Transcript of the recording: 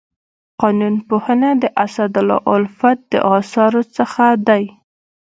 قانون پوهنه د اسدالله الفت د اثارو څخه دی.